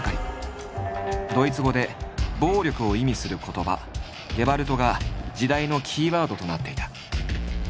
ドイツ語で「暴力」を意味する言葉「ゲバルト」が時代のキーワードとなっていた。